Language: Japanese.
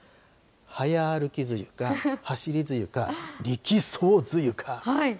早歩き梅雨か、はしり梅雨か、力走梅雨か。